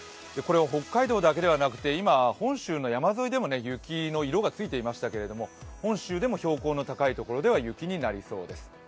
北海道だけではなくて今、本州の山沿いでも雪の色がついていましたが本州でも標高の高い所では雪になりそうです。